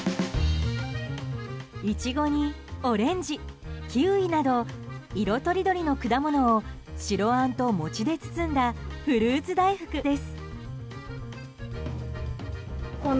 イチゴに、オレンジキウイなど色とりどりの果物を白あんと餅で包んだフルーツ大福です。